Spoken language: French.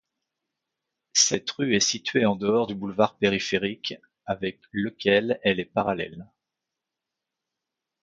Cette rue est située en dehors du boulevard périphérique avec lequel elle est parallèle.